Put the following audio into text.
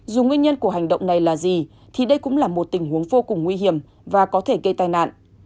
dù nguyên nhân của hành động này là gì thì đây cũng là một tình huống vô cùng nguy hiểm và có thể gây tai nạn